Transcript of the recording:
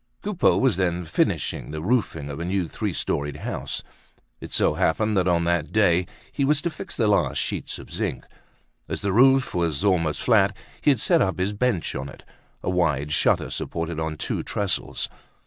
Coupeau was then finishing the roofing of a new three storied house. It so happened that on that day he was to fix the last sheets of zinc. As the roof was almost flat, he had set up his bench on it, a wide shutter supported on two trestles.